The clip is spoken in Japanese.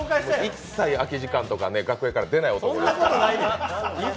一切、空き時間とか楽屋から出ない男ですから。